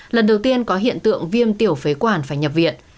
lần đầu tiên có hiện tượng viêm tiểu phế quản phải nhập viện